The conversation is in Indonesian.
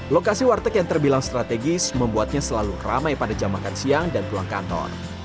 lokasi warteg yang terbilang strategis membuatnya selalu ramai pada jam makan siang dan pulang kantor